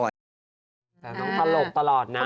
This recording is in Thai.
น้องตลกตลอดนะ